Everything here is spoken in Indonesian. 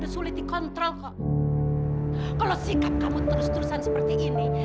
sikap kamu terus terusan seperti ini